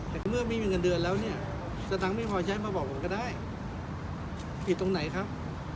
แต่ก็เมื่อไม่มีเงินเดือนแล้วเนี่ยสตังค์ไม่พอใช้มาบอกผมก็ได้ผิดตรงไหนครับ